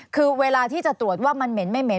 คือเวลาที่จะตรวจว่ามันเหม็นไม่เหม็